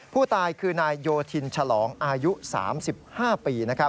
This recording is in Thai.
ผู้ตายคือนายโยธินฉลองอายุ๓๕ปี